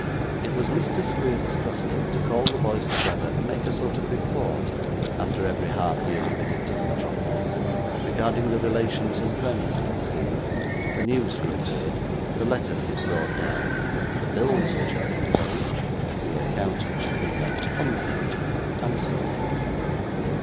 It was Mr. Squeer's custom to call the boys together, and make a sort of report, after every half yearly visit to the metropolis, regarding the relations and friends he had seen, the news he had heard, the letters he had brought down, the bills which had been paid, the accounts which had been left unpaid, and so forth.